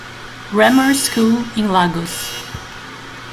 Grammar School, in Lagos.